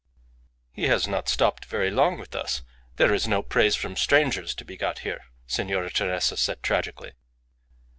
"He has not stopped very long with us. There is no praise from strangers to be got here," Signora Teresa said tragically.